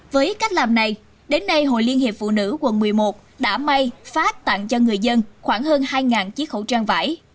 với cách làm này đến nay hội liên hiệp phụ nữ quận một mươi một đã may phát tặng cho người dân khoảng hơn hai chiếc khẩu trang vải